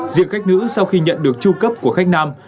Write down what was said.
diện khách nữ sau khi nhận được tru cấp của khách nam